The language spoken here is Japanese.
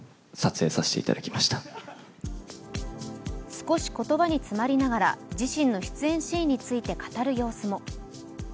少し言葉に詰まりながら自身の出演シーンについて語る様子も。